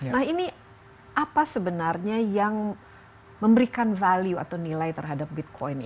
nah ini apa sebenarnya yang memberikan value atau nilai terhadap bitcoin ini